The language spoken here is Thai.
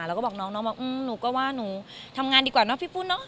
แล้วก็บอกน้องบอกหนูก็ว่าหนูทำงานดีกว่าเนาะพี่ปุ้นเนอะ